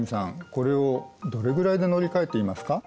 これをどれぐらいで乗り換えていますか？